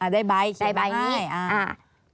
ได้ใบเขียนมาให้